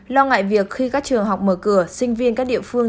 lo ngại việc khi các trường học mở cửa sinh viên các địa phương